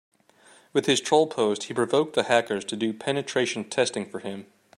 With his troll post he provoked the hackers to do penetration testing for him.